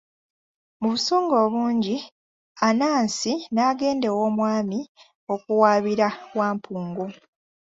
Mu busungu obungi, Anansi n'agenda ew'omwami okuwaabira Wampungu.